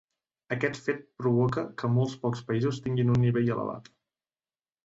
Aquest fet provoca que molt pocs països tinguin un nivell elevat.